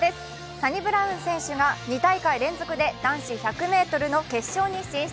サニブラウン選手が２大会連続で男子１００ｍの決勝へ進出。